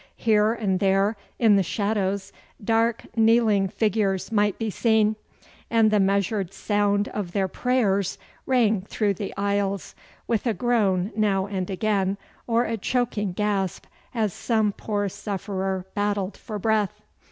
Here and there in the shadows dark kneeling figures might be seen, and the measured sound of their prayers rang through the aisles, with a groan now and again, or a choking gasp as some poor sufferer battled for breath.